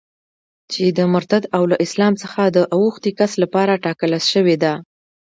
چي د مرتد او له اسلام څخه د اوښتي کس لپاره ټاکله سوې ده.